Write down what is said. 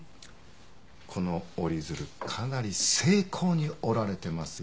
この折り鶴かなり精巧に折られてますよ。